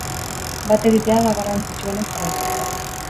Bat egitea da garrantzitsuena jarraitzeko.